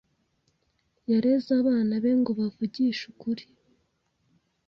[S] Yareze abana be ngo bavugishe ukuri.